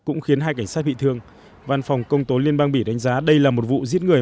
cũng khiến hai cảnh sát bị thương văn phòng công tố liên bang bỉ đánh giá đây là một vụ giết người